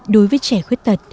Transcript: đối với trẻ khuyết tật